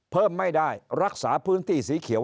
เพิ่มไม่ได้รักษาพื้นที่สีเขียว